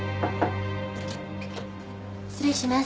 失礼します。